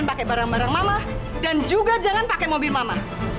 nila gak akan bergantung sama mama